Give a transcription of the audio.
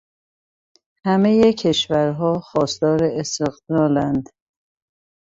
همهٔ کشورها خواستار استقلال اند.